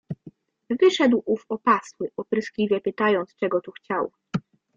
"Wyszedł ów opasły, opryskliwie pytając czego tu chciał."